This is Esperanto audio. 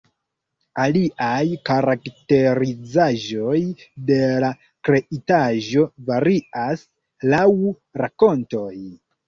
Aliaj karakterizaĵoj de la kreitaĵo varias laŭ rakontoj.